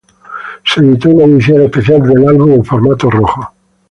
Se editó una edición especial del álbum en formato rojo.